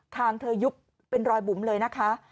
งเธอยุบเป็นรอยบุ๋มเลยนะคะ